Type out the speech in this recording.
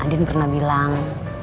andin pernah bilang